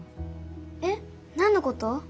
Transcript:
えっなんのこと？